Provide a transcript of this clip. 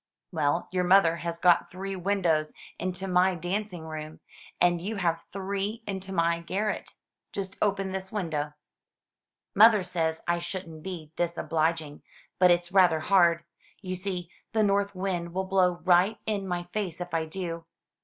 "Well, your mother has got three windows into my danc ing room, and you have three into my garret. Just open this window." "Mother says I shouldn't be disobliging; but it's rather hard. You see the north wind will blow right in my face if I do."